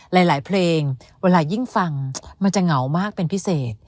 หลายเพลงเวลายิ่งฟังมันจะเหงามากเป็นพิเศษ